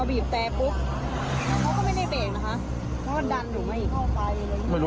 มันดันอยู่มาอีก